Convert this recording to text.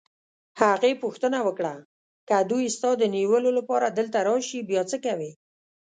هغې پوښتنه وکړه: که دوی ستا د نیولو لپاره دلته راشي، بیا څه کوې؟